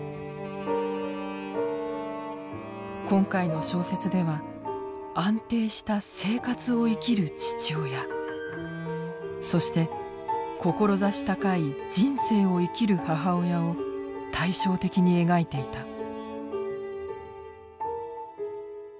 今回の小説では安定した「生活」を生きる父親そして志高い「人生」を生きる母親を対照的に描いていた。